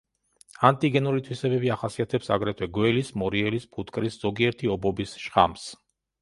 ანტიგენური თვისებები ახასიათებს აგრეთვე გველის, მორიელის, ფუტკრის, ზოგიერთი ობობის შხამს.